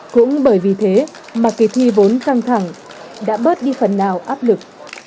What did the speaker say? cũng bởi vì thế mà kỳ thi vốn căng thẳng đã bớt đi phần nào áp lực